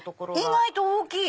意外と大きい！